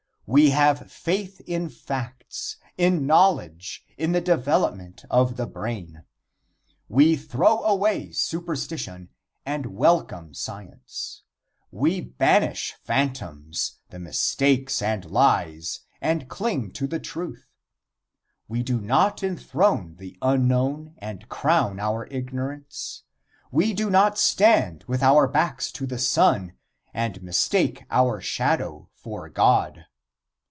We have faith in facts in knowledge in the development of the brain. We throw away superstition and welcome science. We banish the phantoms, the mistakes and lies and cling to the truth. We do not enthrone the unknown and crown our ignorance. We do not stand with our backs to the sun and mistake our shadow for God.